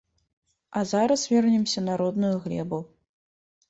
А зараз вернемся на родную глебу.